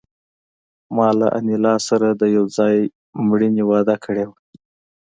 ما له انیلا سره د یو ځای مړینې وعده کړې وه